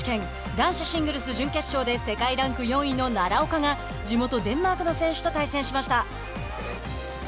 男子シングルス準決勝で世界ランク４位の奈良岡が地元・デンマークの選手と対戦しました。